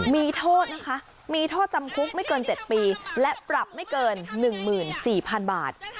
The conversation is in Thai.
มีโทษนะคะมีโทษจำคุกไม่เกินเจ็ดปีและปรับไม่เกินหนึ่งหมื่นสี่พันบาท